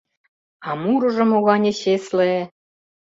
А мурыжо могане чесле!